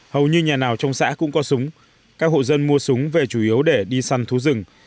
hầu như nhà nào trong xã cũng có súng các hộ dân mua súng về chủ yếu để đi săn thú rừng